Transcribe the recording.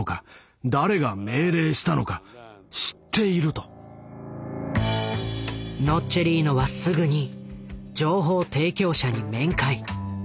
☎刑事から連絡がありノッチェリーノはすぐに情報提供者に面会。